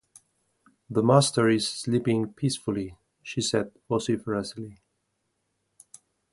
“The Master is sleeping peacefully,” she said vociferacely.